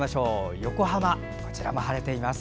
横浜、こちらも晴れています。